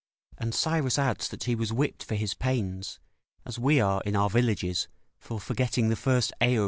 And Cyrus adds that he was whipped for his pains, as we are in our villages for forgetting the first aorist of